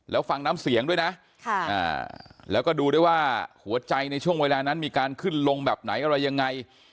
แล้วฟังน้ำเสียงด้วยนะแล้วก็ดูด้วยว่าหัวใจในช่วงเวลานั้นมีการขึ้นลงแบบไหนอะไรยังไง